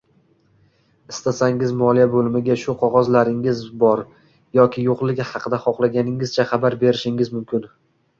Istasangiz moliya boʻlimiga shu qogʻozlaringiz bor yoki yoʻqligi haqida xohlaganingizcha xabar berishingiz mumkin.